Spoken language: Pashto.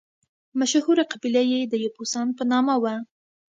مشهوره قبیله یې د یبوسان په نامه وه.